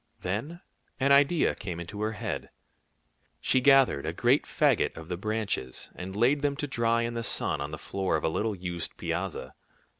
Then an idea came into her head. She gathered a great fagot of the branches, and laid them to dry in the sun on the floor of a little used piazza.